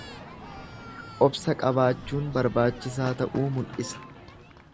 Obsa qabaachuun barbaachisaa ta'uu mul'isa.